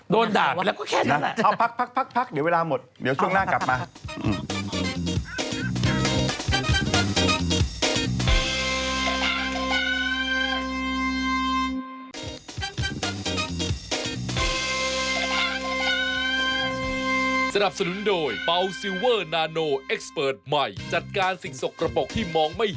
โดนด่าไปแล้วก็แค่นั้นแหละเอาพักเดี๋ยวเวลาหมดเดี๋ยวช่วงหน้ากลับมา